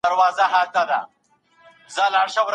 ړوند ښوونکي په ګڼ ځای کي اوږده کیسه کوي.